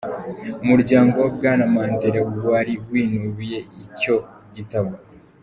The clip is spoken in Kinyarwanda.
Umuryango wa Bwana Mandela wari winubiye icyo gitabo.